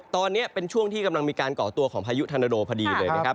ตอนนี้เป็นช่วงที่กำลังมีการก่อตัวของพายุธนโดพอดีเลยนะครับ